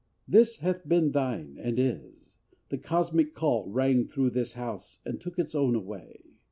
This hath been thine and is: the cosmic call Rang through this house, and took its own away.